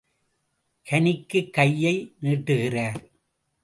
கனிக்கு கையை நீட்டுகிறார்.